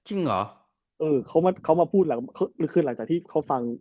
พี่บอยอยากเล่าว่าที่ว่าอีพี๙จะเล่าเรื่องอะไรด้วยนะ